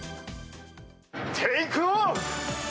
テイクオフ！